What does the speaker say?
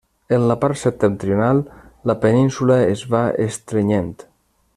En la part septentrional la península es va estrenyent.